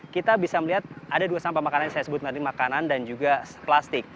kita bisa melihat ada dua sampah makanan yang saya sebut nanti makanan dan juga plastik